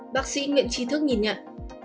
bác sĩ nguyễn trí thức nhìn nhận